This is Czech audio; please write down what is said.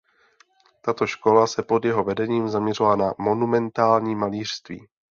Tato škola se pod jeho vedením zaměřovala na monumentální malířství.